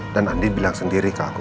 dan andin bilang sendiri ke aku